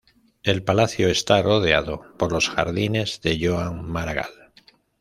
El palacio está rodeado por los Jardines de Joan Maragall.